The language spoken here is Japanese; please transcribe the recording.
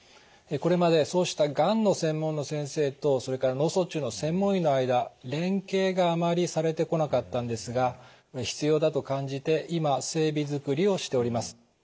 これまでそうしたがんの専門の先生とそれから脳卒中の専門医の間連携があまりされてこなかったんですが必要だと感じて今整備作りをしております。